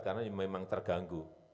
karena memang terganggu